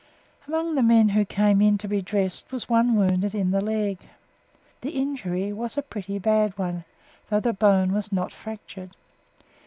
Amongst the men who came in to be dressed was one wounded in the leg. The injury was a pretty bad one, though the bone was not fractured.